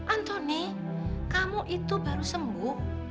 antoni kamu itu baru sembuh